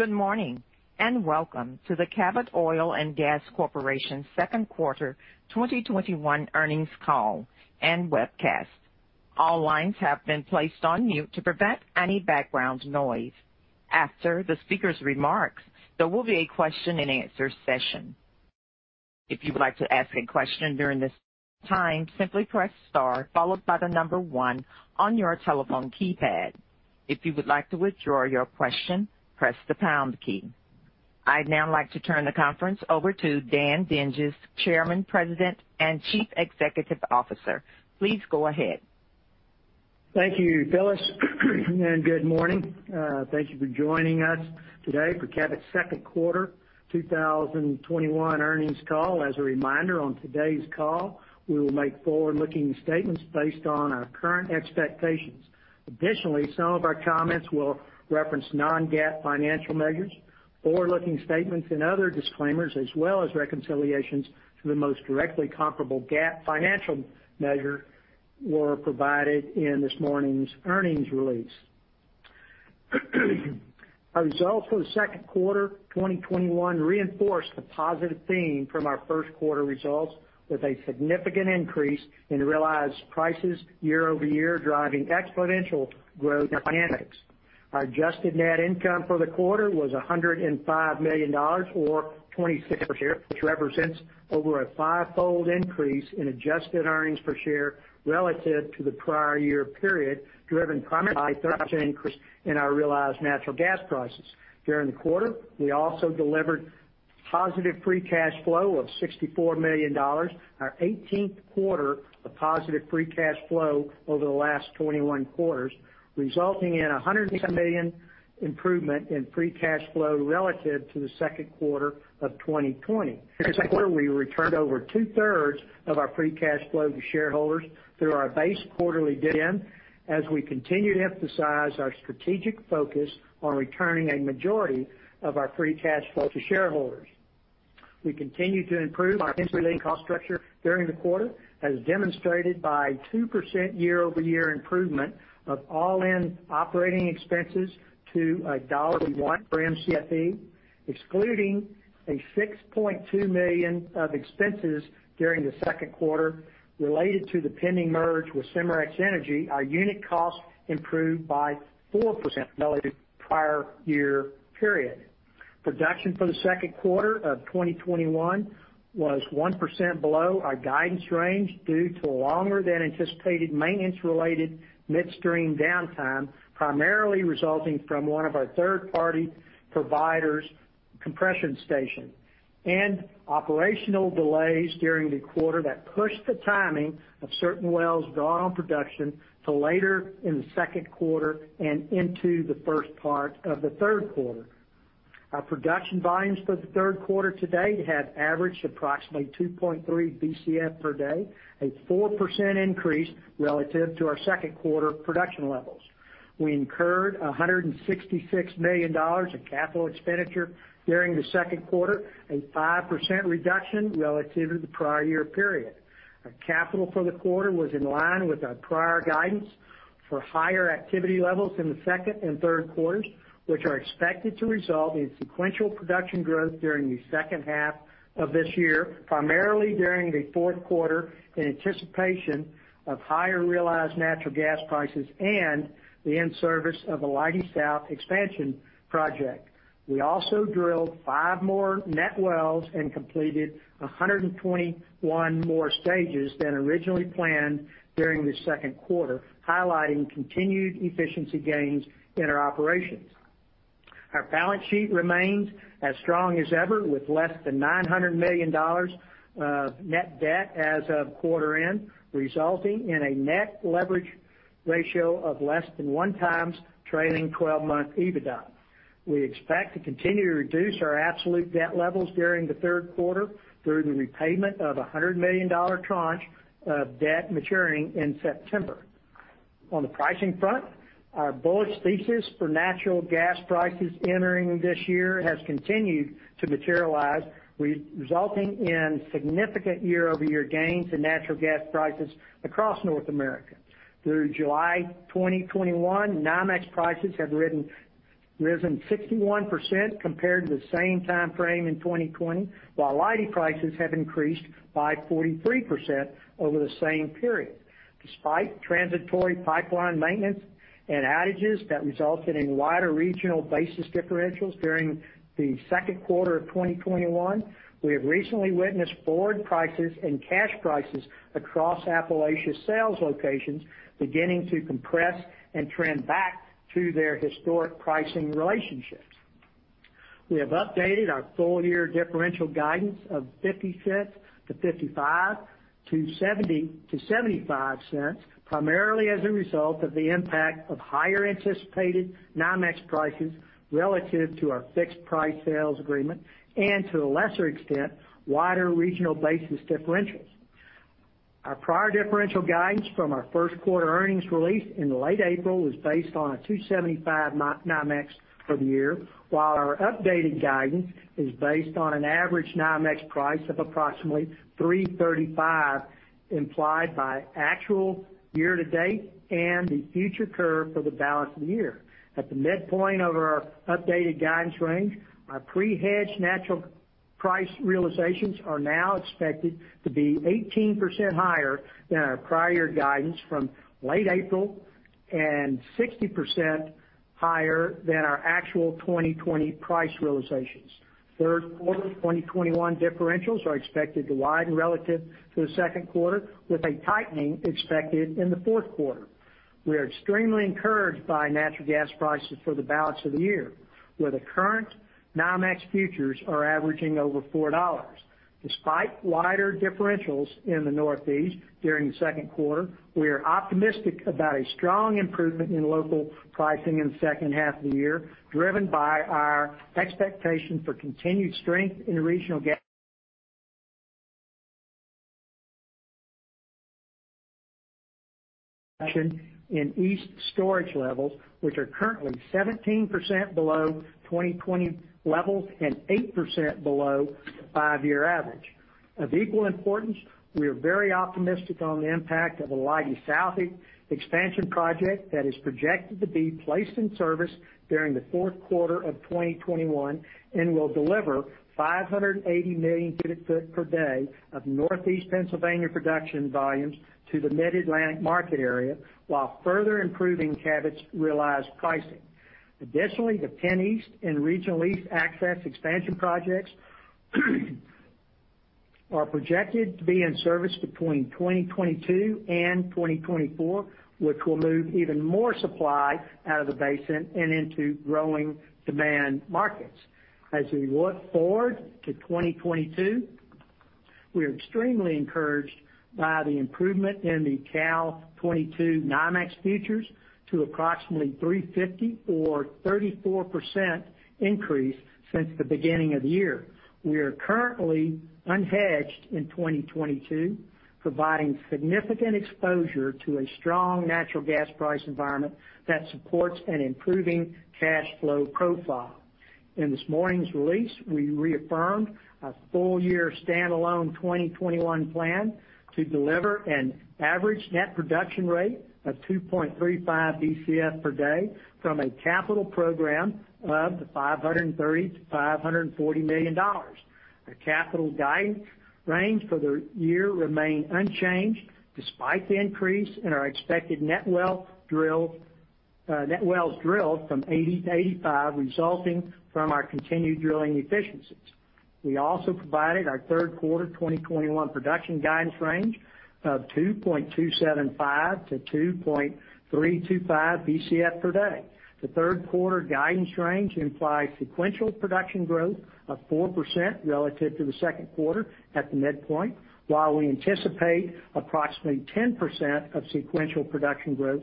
Good morning, and welcome to the Cabot Oil & Gas Corporation second quarter 2021 earnings call and webcast. All lines have been placed on mute to prevent any background noise. After the speaker's remarks, there will be a question and answer session. If you would like to ask a question during this time, simply press star followed by the number one on your telephone keypad. If you would like to withdraw your question, press the pound key. I'd now like to turn the conference over to Dan Dinges, Chairman, President, and Chief Executive Officer. Please go ahead. Thank you, Phyllis, and good morning. Thank you for joining us today for Cabot's second quarter 2021 earnings call. As a reminder, on today's call, we will make forward-looking statements based on our current expectations. Additionally, some of our comments will reference non-GAAP financial measures, forward-looking statements and other disclaimers, as well as reconciliations to the most directly comparable GAAP financial measure were provided in this morning's earnings release. Our results for the second quarter 2021 reinforced the positive theme from our first quarter results with a significant increase in realized prices year-over-year, driving exponential growth in our financials. Our adjusted net income for the quarter was $105 million or $0.26 per share, which represents over a fivefold increase in adjusted earnings per share relative to the prior year period, driven primarily by a 30% increase in our realized natural gas prices. During the quarter, we also delivered positive free cash flow of $64 million, our 18th quarter of positive free cash flow over the last 21 quarters, resulting in a $106 million improvement in free cash flow relative to the second quarter of 2020. This quarter, we returned over two-thirds of our free cash flow to shareholders through our base quarterly dividend, as we continue to emphasize our strategic focus on returning a majority of our free cash flow to shareholders. We continued to improve our industry-leading cost structure during the quarter, as demonstrated by 2% year-over-year improvement of all-in operating expenses to $1.1 per Mcfe. Excluding a $6.2 million of expenses during the second quarter related to the pending merger with Cimarex Energy, our unit cost improved by 4% relative to the prior year period. Production for the second quarter of 2021 was 1% below our guidance range due to longer than anticipated maintenance related midstream downtime, primarily resulting from one of our third-party provider's compression station, and operational delays during the quarter that pushed the timing of certain wells gone on production to later in the second quarter and into the first part of the third quarter. Our production volumes for the third quarter to date have averaged approximately 2.3 Bcf per day, a 4% increase relative to our second quarter production levels. We incurred $166 million in capital expenditure during the second quarter, a 5% reduction relative to the prior year period. Our capital for the quarter was in line with our prior guidance for higher activity levels in the second and third quarters, which are expected to result in sequential production growth during the second half of this year, primarily during the fourth quarter in anticipation of higher realized natural gas prices and the in-service of the Leidy South expansion project. We also drilled five more net wells and completed 121 more stages than originally planned during the second quarter, highlighting continued efficiency gains in our operations. Our balance sheet remains as strong as ever with less than $900 million of net debt as of quarter end, resulting in a net leverage ratio of less than 1x trailing 12 months EBITDA. We expect to continue to reduce our absolute debt levels during the third quarter through the repayment of $100 million tranche of debt maturing in September. On the pricing front, our bullish thesis for natural gas prices entering this year has continued to materialize, resulting in significant year-over-year gains in natural gas prices across North America. Through July 2021, NYMEX prices have risen 61% compared to the same time frame in 2020, while Leidy prices have increased by 43% over the same period. Despite transitory pipeline maintenance and outages that resulted in wider regional basis differentials during the second quarter of 2021, we have recently witnessed forward prices and cash prices across Appalachia sales locations beginning to compress and trend back to their historic pricing relationships. We have updated our full year differential guidance of $0.50 to $0.55 to $0.70 to $0.75, primarily as a result of the impact of higher anticipated NYMEX prices relative to our fixed price sales agreement and, to a lesser extent, wider regional basis differentials. Our prior differential guidance from our first quarter earnings release in late April was based on a $2.75 NYMEX for the year, while our updated guidance is based on an average NYMEX price of approximately $3.35, implied by actual year-to-date and the future curve for the balance of the year. At the midpoint of our updated guidance range, our pre-hedged natural price realizations are now expected to be 18% higher than our prior guidance from late April and 60% higher than our actual 2020 price realizations. Third quarter 2021 differentials are expected to widen relative to the second quarter, with a tightening expected in the fourth quarter. We are extremely encouraged by natural gas prices for the balance of the year, where the current NYMEX futures are averaging over $4. Despite wider differentials in the Northeast during the second quarter, we are optimistic about a strong improvement in local pricing in the second half of the year, driven by our expectation for continued strength in regional gas storage levels, which are currently 17% below 2020 levels and 8% below the five-year average. Of equal importance, we are very optimistic on the impact of the Leidy South expansion project that is projected to be placed in service during the fourth quarter of 2021 and will deliver 580 million cubic foot per day of Northeast Pennsylvania production volumes to the Mid-Atlantic market area while further improving Cabot's realized pricing. Additionally, the PennEast and Regional Energy Access Expansion projects are projected to be in service between 2022 and 2024, which will move even more supply out of the basin and into growing demand markets. As we look forward to 2022, we're extremely encouraged by the improvement in the Cal 2022 NYMEX futures to approximately $350 or 34% increase since the beginning of the year. We are currently unhedged in 2022, providing significant exposure to a strong natural gas price environment that supports an improving cash flow profile. In this morning's release, we reaffirmed a full-year standalone 2021 plan to deliver an average net production rate of 2.35 Bcf per day from a capital program of $530 million-$540 million. The capital guidance range for the year remain unchanged despite the increase in our expected net wells drilled from 80-85, resulting from our continued drilling efficiencies. We also provided our third quarter 2021 production guidance range of 2.275 Bcf per day-2.325 Bcf per day. The third quarter guidance range implies sequential production growth of 4% relative to the second quarter at the midpoint. While we anticipate approximately 10% of sequential production growth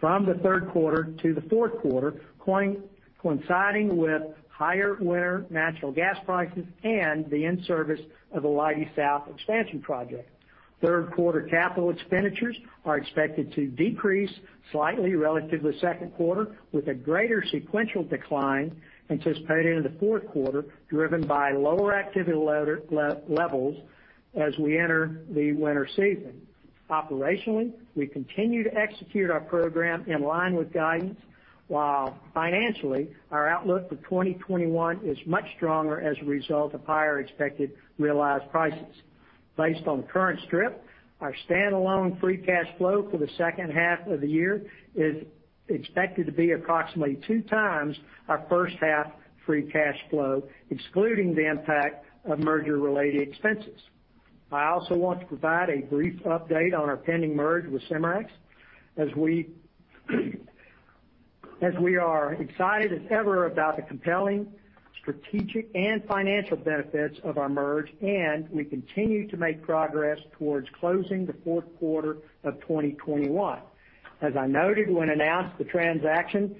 from the third quarter to the fourth quarter, coinciding with higher winter natural gas prices and the in-service of Leidy South expansion project. Third quarter capital expenditures are expected to decrease slightly relative to second quarter, with a greater sequential decline anticipated in the fourth quarter, driven by lower activity levels as we enter the winter season. Operationally, we continue to execute our program in line with guidance, while financially, our outlook for 2021 is much stronger as a result of higher expected realized prices. Based on current strip, our standalone free cash flow for the second half of the year is expected to be approximately two times our first half free cash flow, excluding the impact of merger-related expenses. I also want to provide a brief update on our pending merger with Cimarex as we are excited as ever about the compelling strategic and financial benefits of our merger, and we continue to make progress towards closing the fourth quarter of 2021. As I noted when I announced the transaction,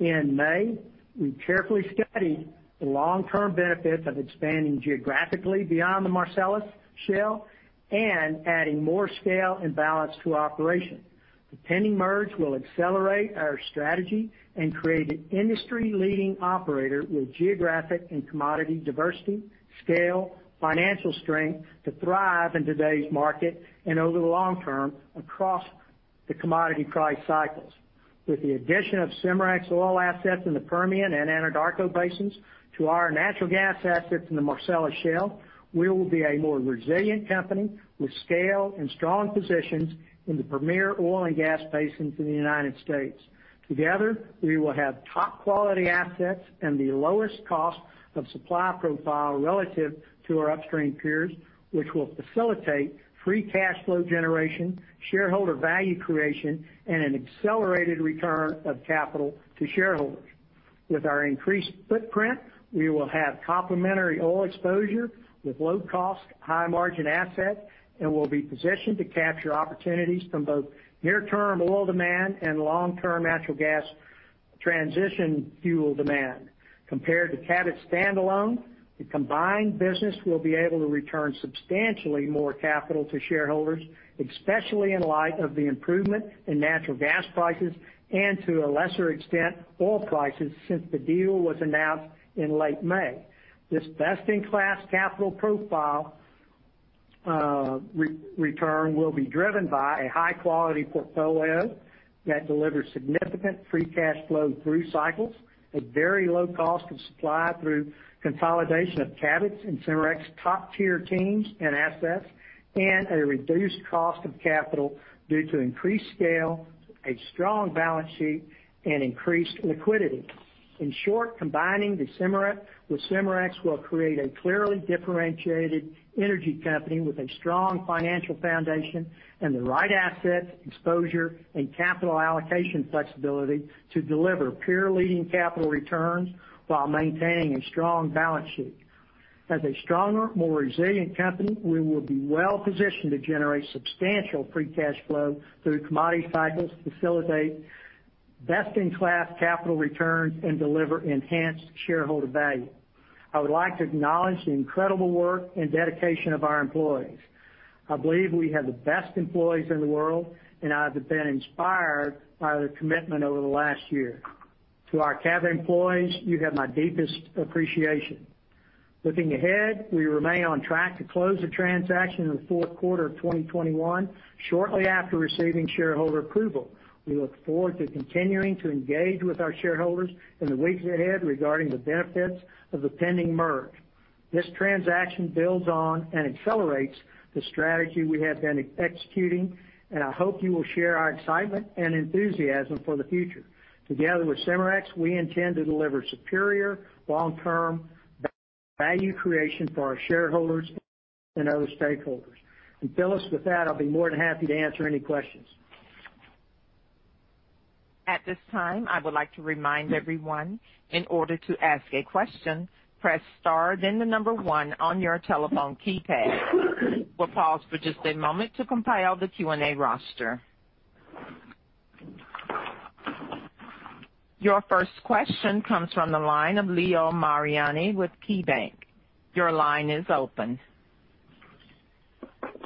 in May, we carefully studied the long-term benefits of expanding geographically beyond the Marcellus Shale and adding more scale and balance to operation. The pending merger will accelerate our strategy and create an industry-leading operator with geographic and commodity diversity, scale, financial strength to thrive in today's market and over the long term across the commodity price cycles. With the addition of Cimarex oil assets in the Permian and Anadarko basins to our natural gas assets in the Marcellus Shale, we will be a more resilient company with scale and strong positions in the premier oil and gas basins in the United States. Together, we will have top-quality assets and the lowest cost of supply profile relative to our upstream peers, which will facilitate free cash flow generation, shareholder value creation, and an accelerated return of capital to shareholders. With our increased footprint, we will have complementary oil exposure with low cost, high margin assets, and we'll be positioned to capture opportunities from both near-term oil demand and long-term natural gas transition fuel demand. Compared to Cabot standalone, the combined business will be able to return substantially more capital to shareholders, especially in light of the improvement in natural gas prices and to a lesser extent, oil prices since the deal was announced in late May. This best-in-class capital profile return will be driven by a high-quality portfolio that delivers significant free cash flow through cycles at very low cost of supply through consolidation of Cabot's and Cimarex's top-tier teams and assets, and a reduced cost of capital due to increased scale, a strong balance sheet, and increased liquidity. In short, combining the Cimarex with Cimarex will create a clearly differentiated energy company with a strong financial foundation and the right asset exposure and capital allocation flexibility to deliver peer-leading capital returns while maintaining a strong balance sheet. As a stronger, more resilient company, we will be well-positioned to generate substantial free cash flow through commodity cycles to facilitate best-in-class capital returns and deliver enhanced shareholder value. I would like to acknowledge the incredible work and dedication of our employees. I believe we have the best employees in the world, and I have been inspired by their commitment over the last year. To our Cabot employees, you have my deepest appreciation. Looking ahead, we remain on track to close the transaction in the fourth quarter of 2021, shortly after receiving shareholder approval. We look forward to continuing to engage with our shareholders in the weeks ahead regarding the benefits of the pending merger. This transaction builds on and accelerates the strategy we have been executing, and I hope you will share our excitement and enthusiasm for the future. Together with Cimarex, we intend to deliver superior long-term value creation for our shareholders and other stakeholders. Phyllis, with that, I'll be more than happy to answer any questions. At this time I would like to remind everyone in order to ask a question. Press star then the number one on your telephone keypad. We will pause for a moment to compile all the Q&A roster. Your first question comes from the line of Leo Mariani with KeyBank.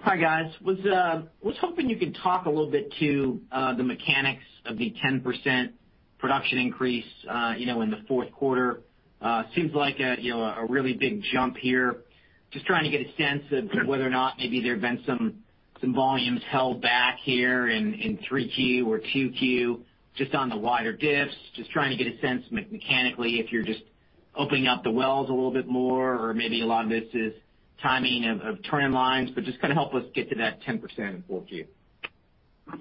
Hi, guys. Was hoping you could talk a little bit to the mechanics of the 10% production increase in the fourth quarter. Seems like a really big jump here. Just trying to get a sense of whether or not maybe there have been some volumes held back here in 3Q or 2Q, just on the wider diffs. Just trying to get a sense mechanically if you're just opening up the wells a little bit more or maybe a lot of this is timing of trend lines, but just kind of help us get to that 10% in 4Q.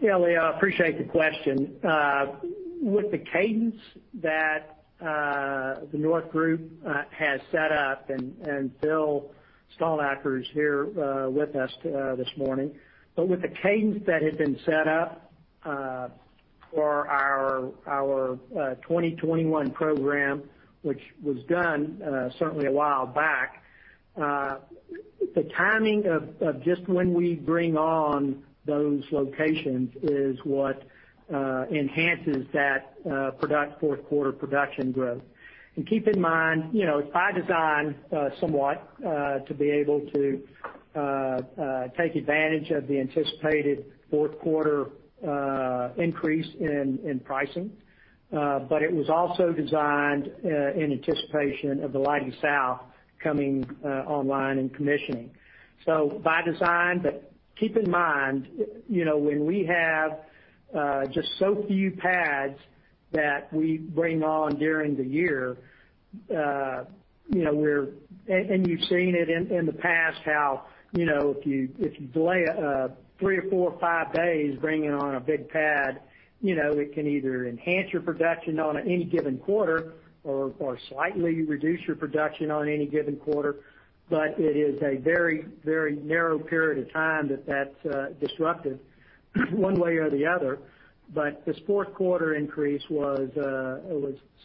Yeah, Leo, appreciate the question. With the cadence that the North Group has set up, and Phillip L. Stalnaker's here with us this morning. With the cadence that had been set up for our 2021 program, which was done certainly a while back, the timing of just when we bring on those locations is what enhances that fourth quarter production growth. Keep in mind, it's by design somewhat to be able to take advantage of the anticipated fourth quarter increase in pricing. It was also designed in anticipation of the Leidy South coming online and commissioning. By design, but keep in mind, when we have just so few pads that we bring on during the year, and you've seen it in the past how if you delay three or four or five days bringing on a big pad, it can either enhance your production on any given quarter or slightly reduce your production on any given quarter. It is a very narrow period of time that's disrupted one way or the other. This fourth quarter increase was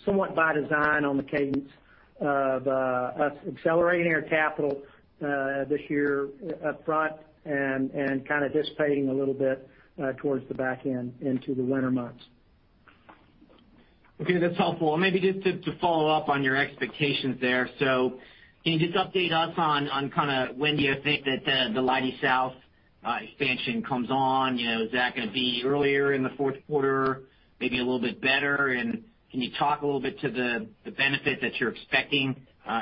somewhat by design on the cadence of us accelerating our capital this year up front and kind of dissipating a little bit towards the back end into the winter months. Okay, that's helpful. Maybe just to follow up on your expectations there. Can you just update us on kind of when do you think that the Leidy South expansion comes on? Is that going to be earlier in the fourth quarter, maybe a little bit better? Can you talk a little bit to the benefit that you're expecting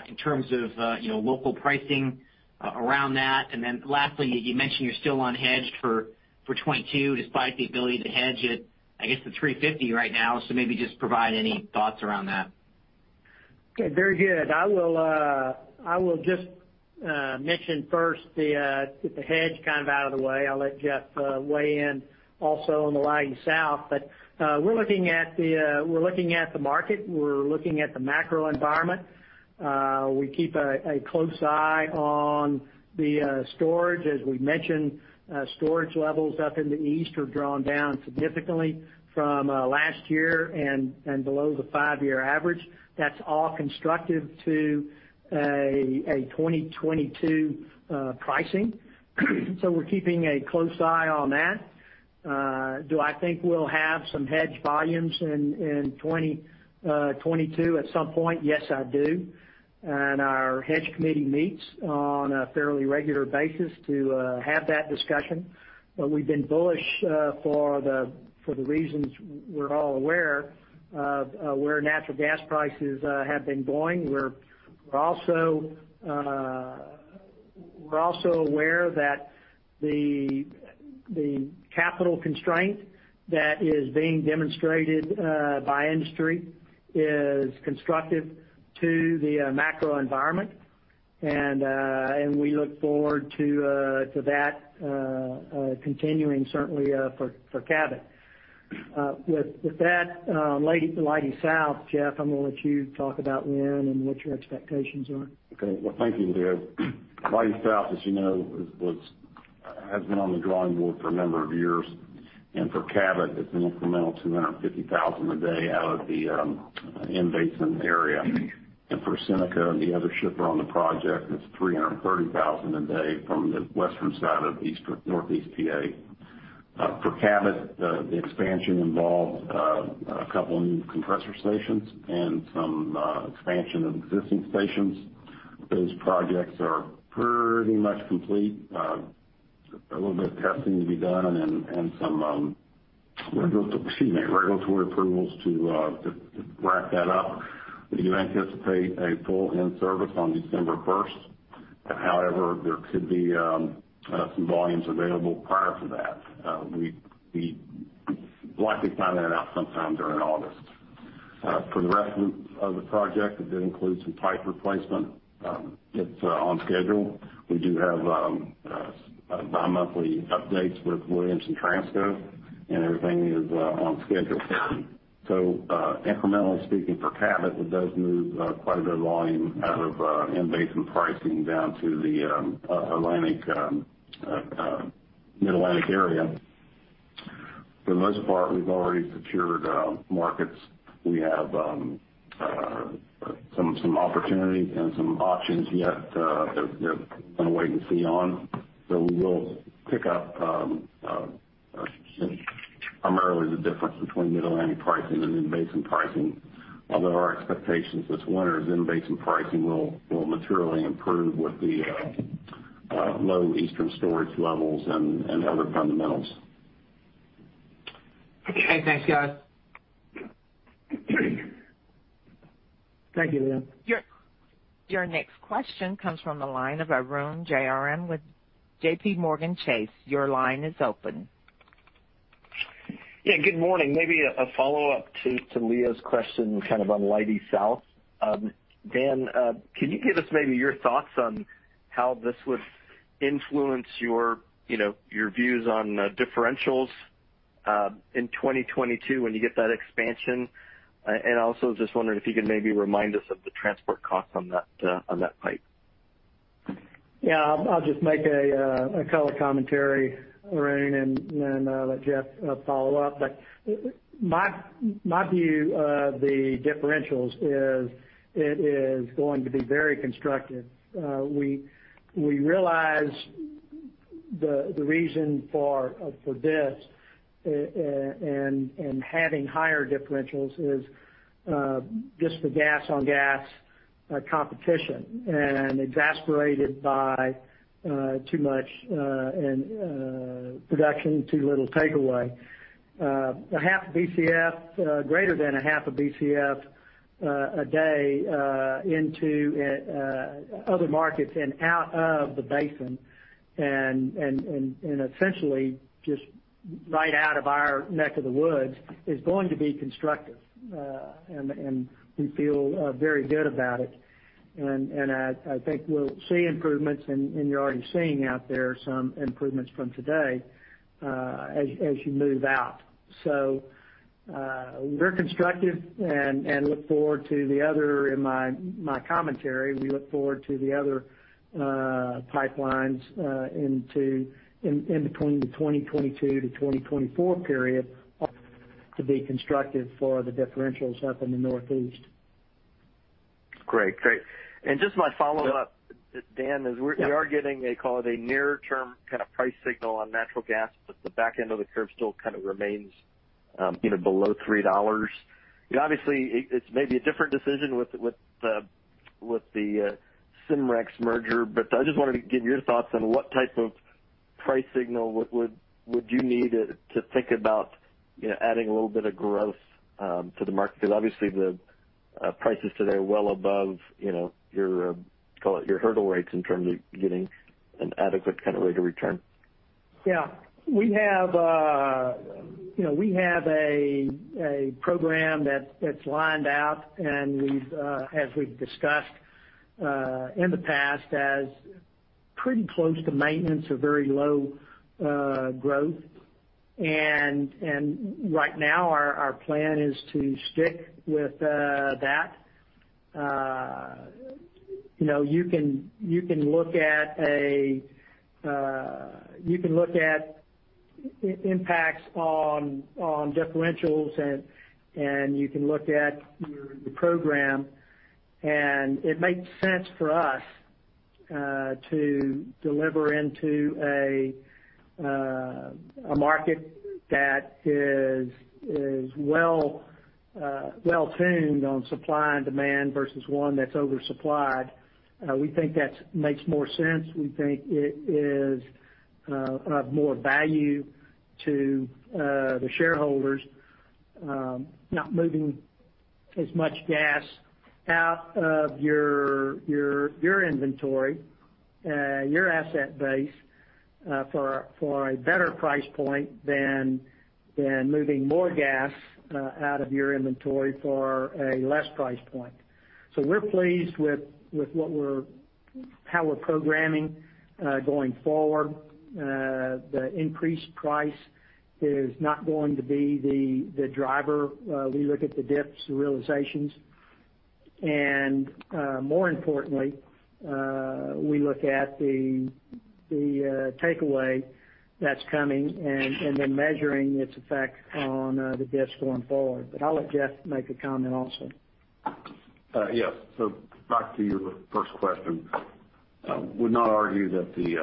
in terms of local pricing around that? Lastly, you mentioned you're still unhedged for 2022 despite the ability to hedge it, I guess, to $3.50 right now. Maybe just provide any thoughts around that. Okay, very good. I will just mention first get the hedge kind of out of the way. I'll let Jeff weigh in also on the Leidy South. We're looking at the market. We're looking at the macro environment. We keep a close eye on the storage. As we mentioned, storage levels up in the east have drawn down significantly from last year and below the five-year average. That's all constructive to a 2022 pricing. We're keeping a close eye on that. Do I think we'll have some hedge volumes in 2022 at some point? Yes, I do. Our hedge committee meets on a fairly regular basis to have that discussion. We've been bullish for the reasons we're all aware of where natural gas prices have been going. We're also aware that the capital constraint that is being demonstrated by industry is constructive to the macro environment. We look forward to that continuing certainly for Cabot. With that, Leidy South, Jeff, I'm going to let you talk about when and what your expectations are. Okay. Well, thank you, Leo. Leidy South, as you know, has been on the drawing board for a number of years, and for Cabot it's an incremental 250,000 a day out of the in-basin area, and for Seneca and the other shipper on the project, it's 330,000 a day from the western side of northeast PA. For Cabot, the expansion involved a couple new compressor stations and some expansion of existing stations. Those projects are pretty much complete. A little bit of testing to be done and some regulatory approvals to wrap that up. We do anticipate a full in-service on December 1st. However, there could be some volumes available prior to that. We likely time that out sometime during August. For the rest of the project, that includes some pipe replacement. It's on schedule. We do have bi-monthly updates with Williams and Transco, and everything is on schedule. Incrementally speaking, for Cabot, it does move quite a bit of volume out of in-basin pricing down to the Mid-Atlantic area. For the most part, we've already secured markets. We have some opportunities and some options yet that we're going to wait and see on. We will pick up primarily the difference between Mid-Atlantic pricing and in-basin pricing. Although our expectations this winter is in-basin pricing will materially improve with the low eastern storage levels and other fundamentals. Okay. Thanks, guys. Thank you, Leo. Your next question comes from the line of Arun Jayaram with JPMorgan Chase. Your line is open. Yeah, good morning. Maybe a follow-up to Leo's question on Leidy South. Dan, can you give us maybe your thoughts on how this would influence your views on differentials in 2022 when you get that expansion? Also just wondering if you could maybe remind us of the transport costs on that pipe. Yeah, I'll just make a color commentary, Arun, and then let Jeff follow up. My view of the differentials is it is going to be very constructive. We realize the reason for this, having higher differentials is just the gas on gas competition, exacerbated by too much production, too little takeaway. Greater than a half a BCF a day into other markets and out of the basin, essentially just right out of our neck of the woods, is going to be constructive. We feel very good about it. I think we'll see improvements, you're already seeing out there some improvements from today as you move out. We're constructive and look forward to the other in my commentary, we look forward to the other pipelines in between the 2022-2024 period to be constructive for the differentials up in the Northeast. Great. Just my follow-up, Dan, is we are getting, call it a near term kind of price signal on natural gas, but the back end of the curve still remains below $3. Obviously, it's maybe a different decision with the Cimarex merger, but I just wanted to get your thoughts on what type of price signal would you need to think about adding a little bit of growth to the market? Because obviously the prices today are well above your hurdle rates in terms of getting an adequate rate of return. Yeah. We have a program that's lined out, as we've discussed in the past, as pretty close to maintenance or very low growth. Right now our plan is to stick with that. You can look at impacts on differentials and you can look at your program, it makes sense for us to deliver into a market that is well tuned on supply and demand versus one that's oversupplied. We think that makes more sense. We think it is of more value to the shareholders not moving as much gas out of your inventory, your asset base for a better price point than moving more gas out of your inventory for a less price point. We're pleased with how we're programming going forward. The increased price is not going to be the driver. We look at the dips, the realizations, and more importantly, we look at the takeaway that's coming and then measuring its effect on the dips going forward. I'll let Jeff make a comment also. Yes. Back to your first question. Would not argue that the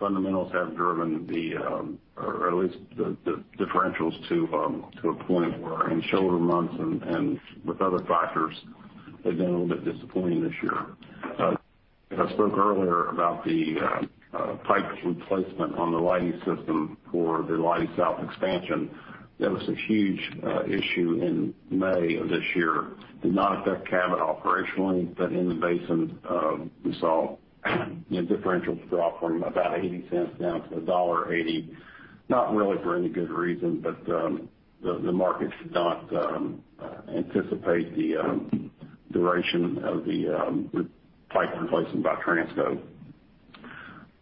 fundamentals have driven or at least the differentials to a point where in shoulder months and with other factors, they've been a little bit disappointing this year. I spoke earlier about the pipe replacement on the Leidy system for the Leidy South expansion. That was a huge issue in May of this year. Did not affect Cabot operationally, but in the basin, we saw differentials drop from about $0.80 down to $1.80. Not really for any good reason, but the market should not anticipate the duration of the pipe replacement by Transco.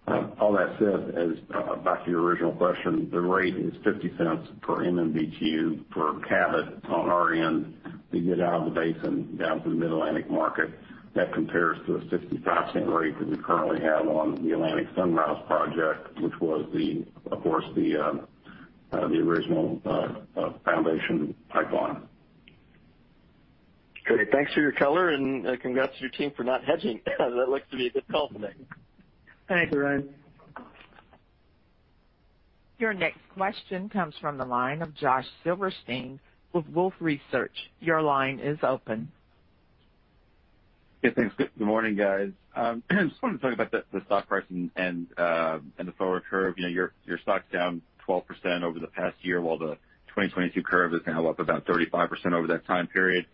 All that said, as back to your original question, the rate is $0.50 per MMBtu for Cabot on our end to get out of the basin down to the Mid-Atlantic market. That compares to a $0.65 rate that we currently have on the Atlantic Sunrise project, which was, of course, the original foundation pipeline. Great. Thanks for your color and congrats to your team for not hedging. That looks to be a good call today. Thanks, Arun. Your next question comes from the line of Josh Silverstein with Wolfe Research. Your line is open. Thanks. Good morning, guys. Just wanted to talk about the stock price and the forward curve. Your stock's down 12% over the past year, while the 2022 curve is now up about 35% over that time period.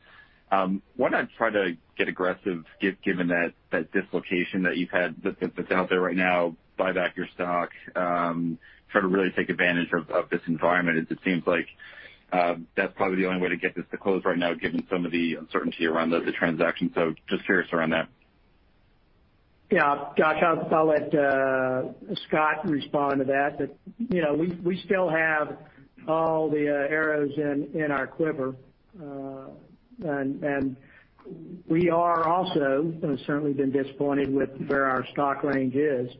Why not try to get aggressive, given that dislocation that you've had that's out there right now, buy back your stock, try to really take advantage of this environment? It just seems like that's probably the only way to get this to close right now, given some of the uncertainty around the transaction. Just curious around that. Yeah. Josh, I'll let Scott respond to that. We still have all the arrows in our quiver. We are also certainly been disappointed with where our stock range is.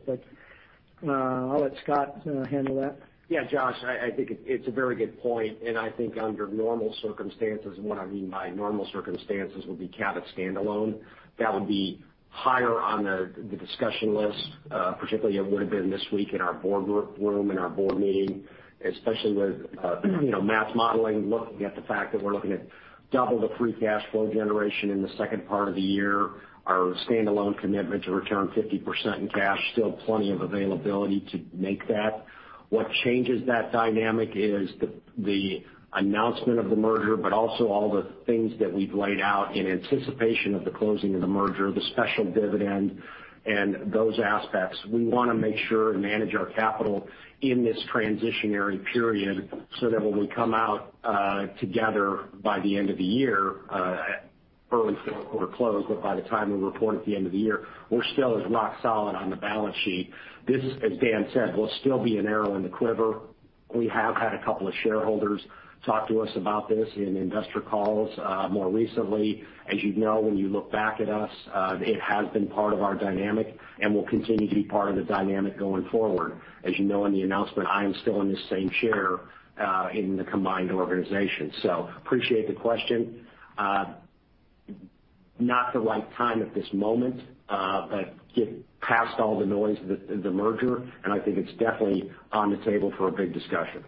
I'll let Scott handle that. Yeah, Josh, I think it's a very good point, and I think under normal circumstances, and what I mean by normal circumstances would be Cabot standalone, that would be higher on the discussion list. Particularly it would've been this week in our board room, in our board meeting, especially with Matt modeling, looking at the fact that we're looking at double the free cash flow generation in the second part of the year. Our standalone commitment to return 50% in cash, still plenty of availability to make that. What changes that dynamic is the announcement of the merger, but also all the things that we've laid out in anticipation of the closing of the merger, the special dividend and those aspects. We want to make sure to manage our capital in this transitionary period so that when we come out together by the end of the year, at early fourth quarter close, but by the time we report at the end of the year, we're still as rock solid on the balance sheet. This, as Dan said, will still be an arrow in the quiver. We have had a couple of shareholders talk to us about this in investor calls more recently. As you know, when you look back at us, it has been part of our dynamic and will continue to be part of the dynamic going forward. As you know, in the announcement, I am still in the same chair in the combined organization. Appreciate the question. Not the right time at this moment, but get past all the noise of the merger, and I think it's definitely on the table for a big discussion.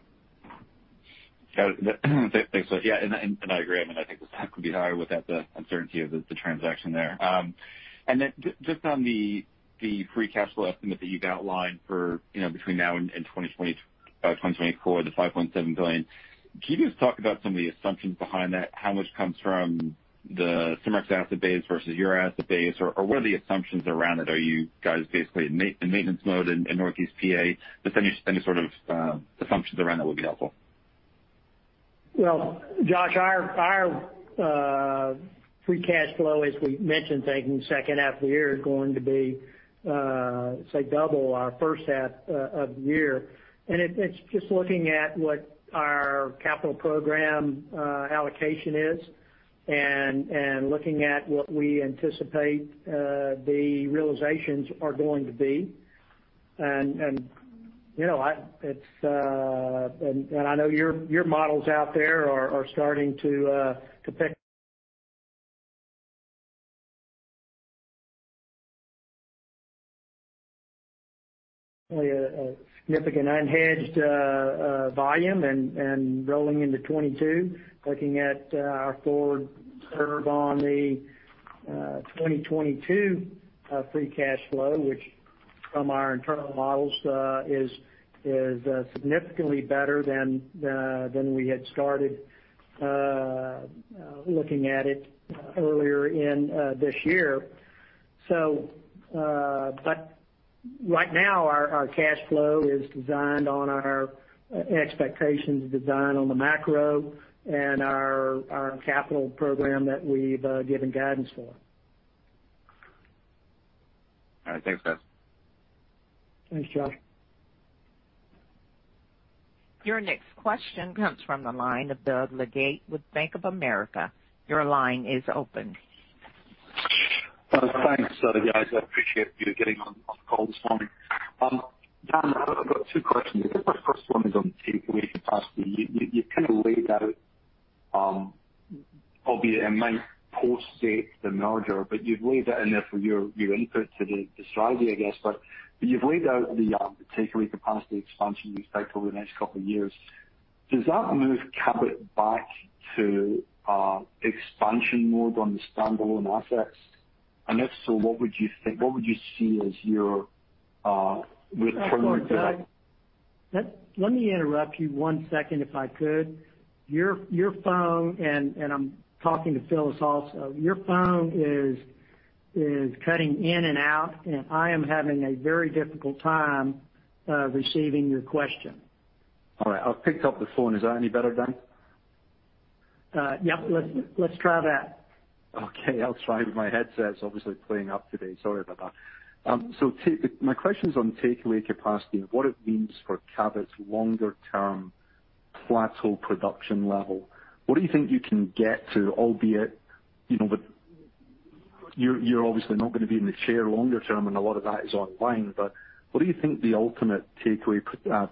Got it. Thanks. Yeah, I agree, I mean, I think the stock would be higher without the uncertainty of the transaction there. Just on the free cash flow estimate that you've outlined for between now and 2024, the $5.7 billion, can you just talk about some of the assumptions behind that? How much comes from the Cimarex asset base versus your asset base? What are the assumptions around it? Are you guys basically in maintenance mode in Northeast P.A.? Just any sort of assumptions around that would be helpful. Well, Josh, our free cash flow, as we mentioned, I think in the second half of the year, is going to be, say, double our first half of the year. It's just looking at what our capital program allocation is and looking at what we anticipate the realizations are going to be. I know your models out there are starting to pick a significant unhedged volume and rolling into 2022, looking at our forward curve on the 2022 free cash flow, which From our internal models is significantly better than we had started looking at it earlier in this year. Right now, our cash flow is designed on our expectations, designed on the macro and our capital program that we've given guidance for. All right, thanks, guys. Thanks, Josh. Your next question comes from the line of Doug Leggate with Bank of America. Your line is open. Thanks. Guys, I appreciate you getting on the call this morning. Dan, I've got two questions. I guess my first one is on takeaway capacity. You've kind of laid out, albeit it might post-date the merger, but you've laid that in there for your input to the strategy, I guess. You've laid out the takeaway capacity expansion you expect over the next couple of years. Does that move Cabot back to expansion mode on the standalone assets? If so, what would you see as your return to that? Let me interrupt you one second, if I could. Your phone, and I'm talking to Phyllis also. Your phone is cutting in and out, and I am having a very difficult time receiving your question. All right, I've picked up the phone. Is that any better, Dan? Yep. Let's try that. Okay, I'll try. My headset's obviously playing up today. Sorry about that. My question's on takeaway capacity and what it means for Cabot's longer-term plateau production level. What do you think you can get to, albeit with You're obviously not going to be in the chair longer term, and a lot of that is online, but what do you think the ultimate takeaway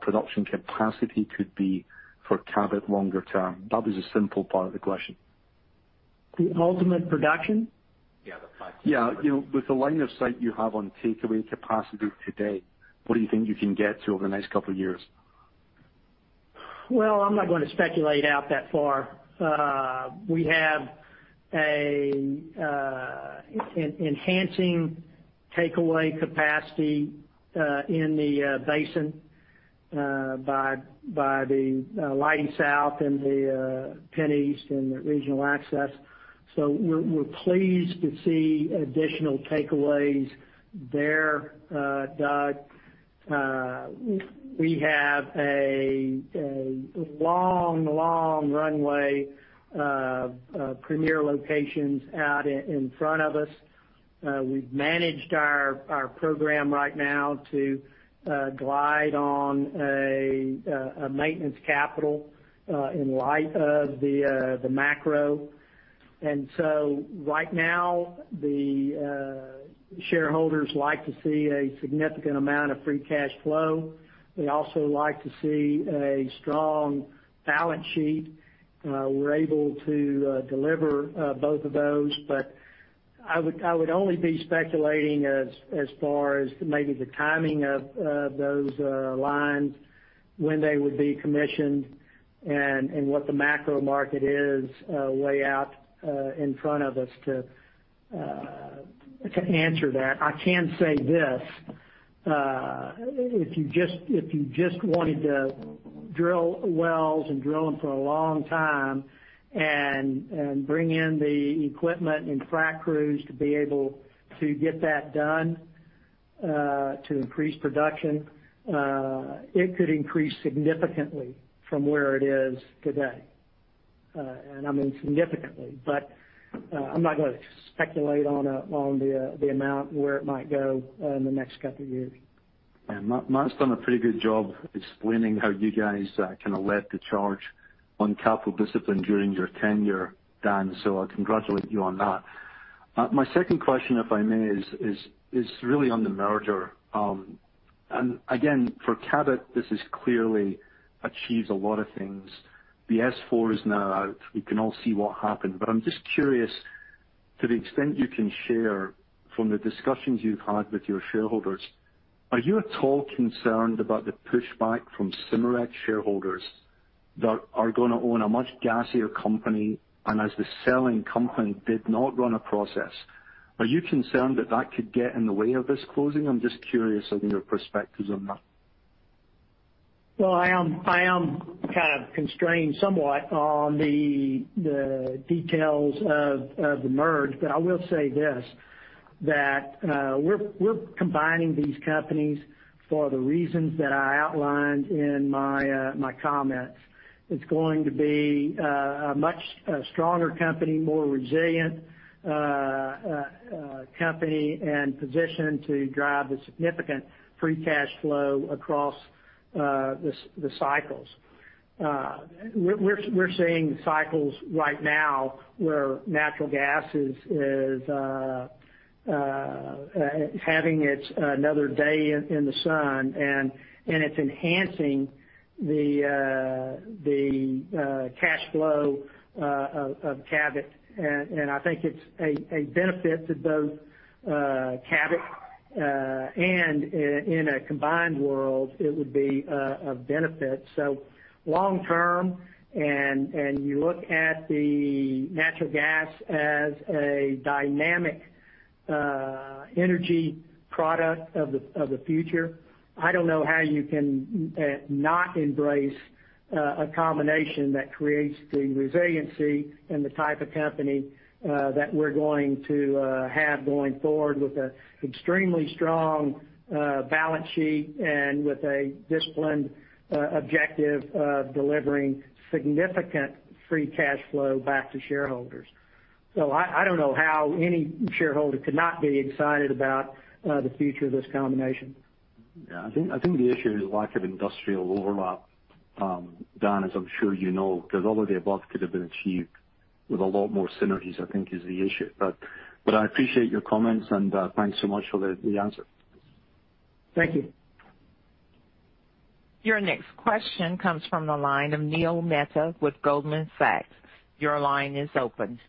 production capacity could be for Cabot longer term? That was the simple part of the question. The ultimate production? Yeah, the plateau. Yeah. With the line of sight you have on takeaway capacity today, what do you think you can get to over the next couple of years? Well, I'm not going to speculate out that far. We have an enhancing takeaway capacity in the basin by the Leidy South and the PennEast and the Regional Access. We're pleased to see additional takeaways there, Doug. We have a long runway of premier locations out in front of us. We've managed our program right now to glide on a maintenance capital in light of the macro. Right now, the shareholders like to see a significant amount of free cash flow. They also like to see a strong balance sheet. We're able to deliver both of those, but I would only be speculating as far as maybe the timing of those lines, when they would be commissioned, and what the macro market is way out in front of us to answer that. I can say this, if you just wanted to drill wells and drill them for a long time and bring in the equipment and frac crews to be able to get that done to increase production, it could increase significantly from where it is today. I mean significantly, but I'm not going to speculate on the amount and where it might go in the next couple of years. Yeah. Matt's done a pretty good job explaining how you guys kind of led the charge on capital discipline during your tenure, Dan, so I congratulate you on that. My second question, if I may, is really on the merger. Again, for Cabot, this has clearly achieved a lot of things. The S-4 is now out. We can all see what happened. I'm just curious to the extent you can share from the discussions you've had with your shareholders, are you at all concerned about the pushback from Cimarex shareholders that are going to own a much gassier company, and as the selling company did not run a process? Are you concerned that that could get in the way of this closing? I'm just curious of your perspectives on that. I am kind of constrained somewhat on the details of the merge, but I will say this, that we're combining these companies for the reasons that I outlined in my comments. It's going to be a much stronger company, more resilient company, and positioned to drive a significant free cash flow across the cycles. We're seeing cycles right now where natural gas is having its another day in the sun, and it's enhancing the cash flow of Cabot. I think it's a benefit to both Cabot, and in a combined world, it would be of benefit. Long term, and you look at the natural gas as a dynamic energy product of the future. I don't know how you can not embrace a combination that creates the resiliency and the type of company that we're going to have going forward with an extremely strong balance sheet and with a disciplined objective of delivering significant free cash flow back to shareholders. I don't know how any shareholder could not be excited about the future of this combination. Yeah, I think the issue is lack of industrial overlap. Don, as I'm sure you know, because all of the above could've been achieved with a lot more synergies, I think is the issue. I appreciate your comments, and thanks so much for the answer. Thank you. Your next question comes from the line of Neil Mehta with Goldman Sachs. Your line is open.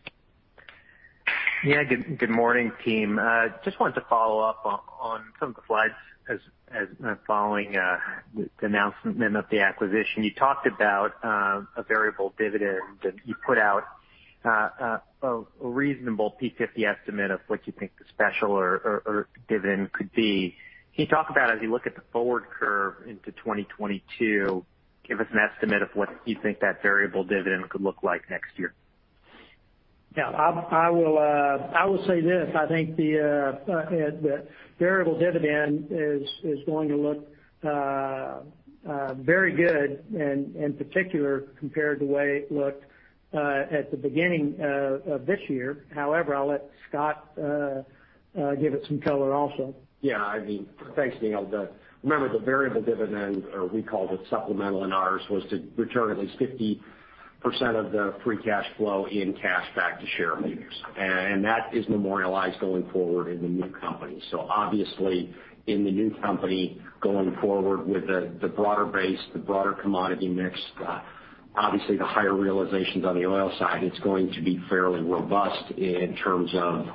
Yeah. Good morning, team. Just wanted to follow up on some of the slides as following the announcement then of the acquisition. You talked about a variable dividend, and you put out a reasonable P50 estimate of what you think the special or dividend could be. Can you talk about as you look at the forward curve into 2022, give us an estimate of what you think that variable dividend could look like next year? Yeah. I will say this, I think the variable dividend is going to look very good and in particular, compared to the way it looked at the beginning of this year. However, I'll let Scott give it some color also. Yeah. Thanks, Neil. Remember the variable dividend, or we called it supplemental in ours, was to return at least 50% of the free cash flow in cash back to shareholders. That is memorialized going forward in the new company. Obviously, in the new company going forward with the broader base, the broader commodity mix, obviously the higher realizations on the oil side, it's going to be fairly robust in terms of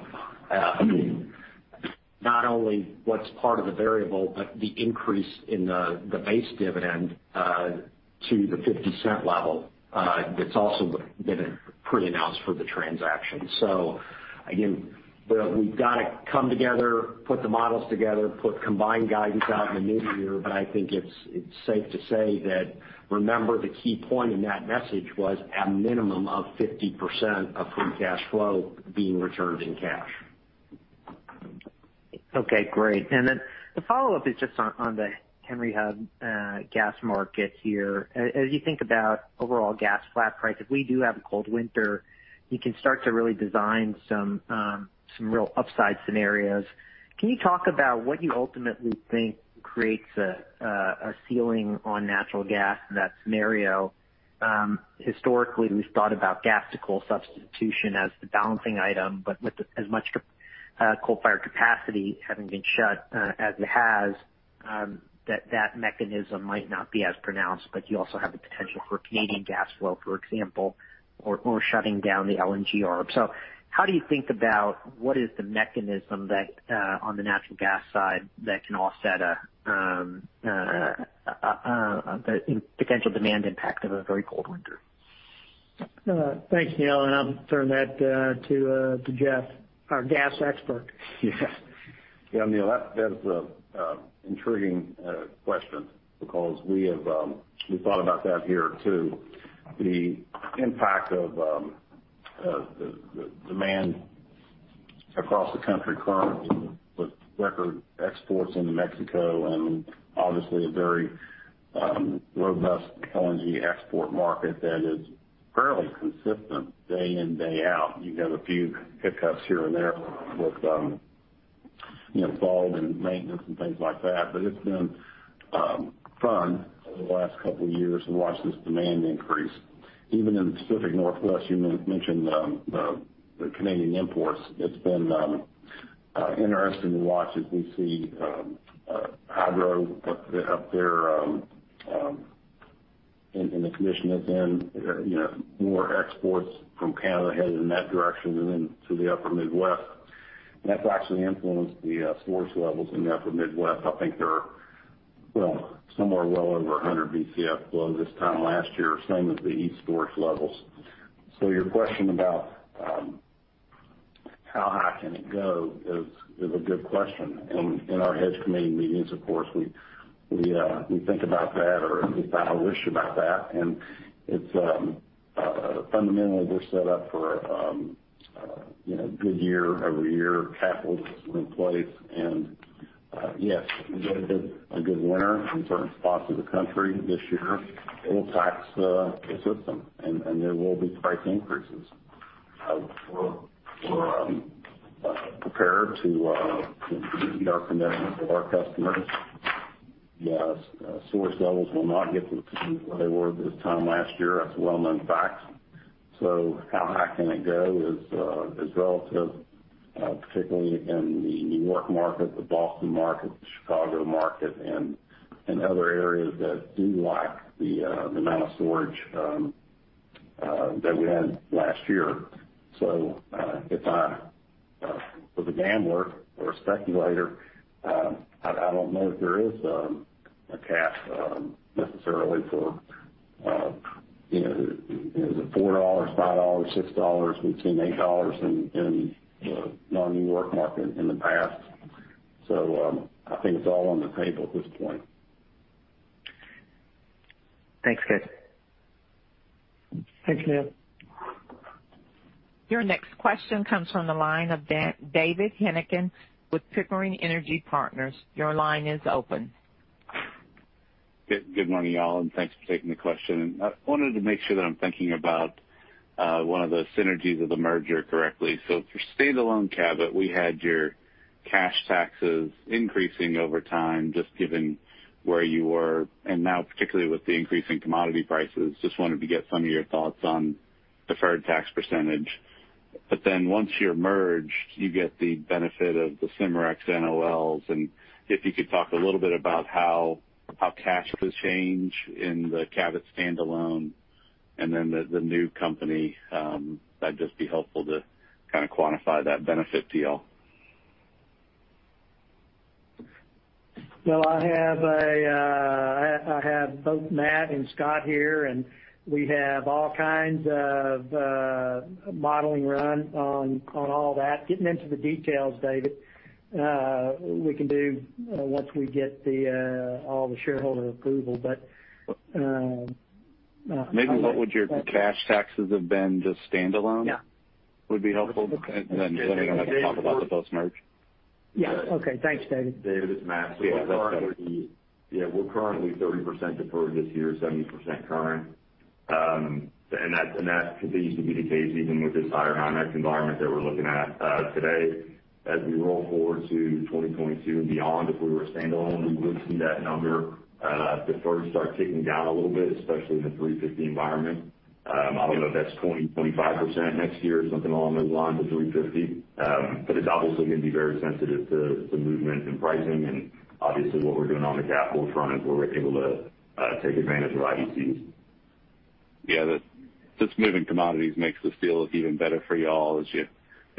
not only what's part of the variable, but the increase in the base dividend to the $0.50 level. That's also been pre-announced for the transaction. Again, we've got to come together, put the models together, put combined guidance out in the new year. I think it's safe to say that, remember, the key point in that message was a minimum of 50% of free cash flow being returned in cash. Okay. Great. Then the follow-up is just on the Henry Hub gas market here. As you think about overall gas flat price, if we do have a cold winter, you can start to really design some real upside scenarios. Can you talk about what you ultimately think creates a ceiling on natural gas in that scenario? Historically, we've thought about gas to coal substitution as the balancing item, but with as much coal fire capacity having been shut as it has, that mechanism might not be as pronounced. You also have the potential for Canadian gas flow, for example, or shutting down the LNG arm. How do you think about what is the mechanism on the natural gas side that can offset the potential demand impact of a very cold winter? Thanks, Neil. I'll turn that to Jeff, our gas expert. Neil, that is an intriguing question because we thought about that here, too. The impact of demand across the country currently with record exports into Mexico and obviously a very robust LNG export market that is fairly consistent day in, day out. You have a few hiccups here and there with fault and maintenance and things like that, but it's been fun over the last couple of years to watch this demand increase. Even in the Pacific Northwest, you mentioned the Canadian imports. It's been interesting to watch as we see hydro up there in the commission has been more exports from Canada headed in that direction and then to the upper Midwest. That's actually influenced the storage levels in the upper Midwest. I think they're somewhere well over 100 Bcf below this time last year, same as the East storage levels. Your question about how high can it go is a good question. In our hedge committee meetings, of course, we think about that, or we file wish about that. Fundamentally, we're set up for a good year-over-year of capital in place. Yes, if we get a good winter in certain spots of the country this year, it'll tax the system, and there will be price increases. We're prepared to meet the commitments of our customers. The storage levels will not get to where they were this time last year. That's a well-known fact. How high can it go is relative, particularly in the N.Y. market, the Boston market, the Chicago market, and other areas that do lack the amount of storage that we had last year. If I was a gambler or a speculator, I don't know if there is a cap necessarily for. Is it $4, $5, $6? We've seen $8 in the non-New York market in the past. I think it's all on the table at this point. Thanks, Jeff. Thanks, Neil. Your next question comes from the line of David Henneken with Pickering Energy Partners. Your line is open. Good morning, y'all, and thanks for taking the question. I wanted to make sure that I'm thinking about one of the synergies of the merger correctly. For standalone Cabot, we had your cash taxes increasing over time, just given where you were, and now particularly with the increase in commodity prices. I just wanted to get some of your thoughts on deferred tax percentage. Once you're merged, you get the benefit of the Cimarex NOLs. If you could talk a little bit about how cash will change in the Cabot standalone and then the new company. That'd just be helpful to quantify that benefit to y'all. Well, I have both Matt and Scott here, and we have all kinds of modeling run on all that. Getting into the details, David, we can do once we get all the shareholder approval. Maybe what would your cash taxes have been just standalone? Yeah. Would be helpful. Okay. They don't have to talk about the post-merge. Yeah. Okay. Thanks, David. David, it's Matt. Yeah, that's better. We're currently 30% deferred this year, 70% current. That continues to be the case even with this higher margin environment that we're looking at today. As we roll forward to 2022 and beyond, if we were standalone, we would see that number deferred start ticking down a little bit, especially in the $3.50 environment. I don't know if that's 20%-25% next year or something along those lines at $3.50. It's obviously going to be very sensitive to movement and pricing and obviously what we're doing on the capital front as we're able to take advantage of our IDCs. Yeah. Just moving commodities makes this deal look even better for y'all as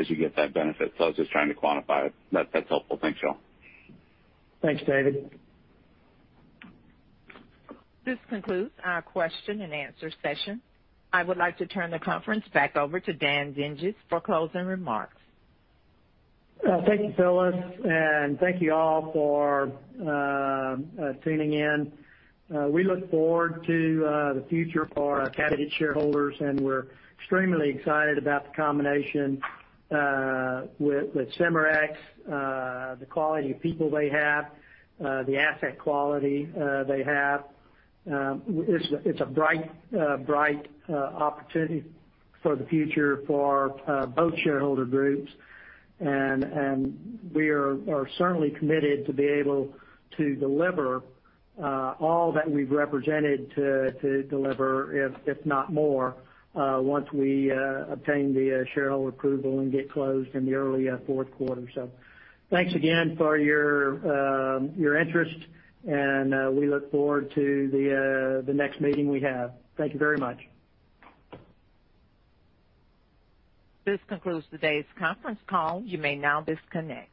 you get that benefit. I was just trying to quantify it. That's helpful. Thanks, y'all. Thanks, David. This concludes our question and answer session. I would like to turn the conference back over to Dan Dinges for closing remarks. Thank you, Phyllis, and thank you all for tuning in. We look forward to the future for our Cabot shareholders, and we're extremely excited about the combination with Cimarex, the quality of people they have, the asset quality they have. It's a bright opportunity for the future for both shareholder groups. We are certainly committed to be able to deliver all that we've represented to deliver, if not more, once we obtain the shareholder approval and get closed in the early fourth quarter. Thanks again for your interest, and we look forward to the next meeting we have. Thank you very much. This concludes today's conference call. You may now disconnect.